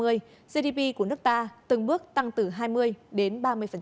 gdp của nước ta từng bước tăng từ hai mươi đến ba mươi